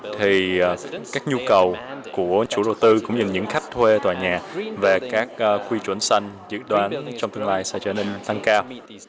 thì các nhu cầu của chủ đầu tư cũng như những khách thuê tòa nhà về các quy chuẩn xanh dự đoán trong tương lai sẽ trở nên tăng cao